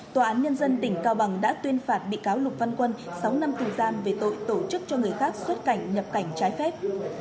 tòa án nhân dân tỉnh cao bằng đã tuyên phạt bị cáo lục văn quân sáu năm tù giam về tội tổ chức cho người khác xuất cảnh nhập cảnh trái phép